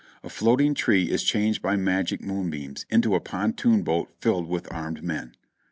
A floating tree is changed by magic moonbeams into a pontoon boat filled with armed men.